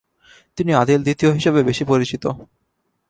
তিনি আদিল দ্বিতীয় হিসাবে বেশি পরিচিত।